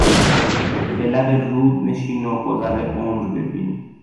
به لب رود نشین و گذر عمر ببین